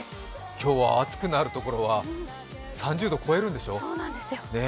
今日は暑くなるところは３０度、超えるんでしょ。